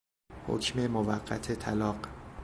حکم موقت طلاق